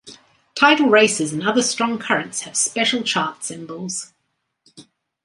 Tidal races and other strong currents have special chart symbols.